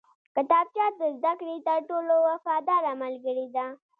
کتابچه د زده کړې تر ټولو وفاداره ملګرې ده